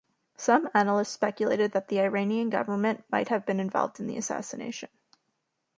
Some analysts speculated that the Iranian government might have been involved in the assassination.